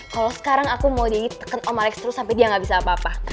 kalo sekarang aku mau daddy teken om alex terus sampe dia ga bisa apa apa